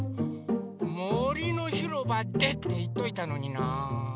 もりのひろばでっていっといたのにな。